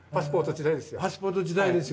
パスポート時代ですよ。